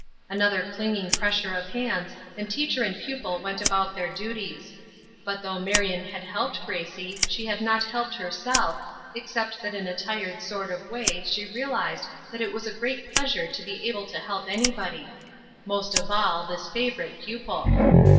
Another clinging pressure of hands and teacher and pupil went about their duties. But though Marion had helped Gracie she had not helped herself, except that in a tired sort of way she realized that it was a great pleasure to be able to help anybody most of all, this favorite pupil.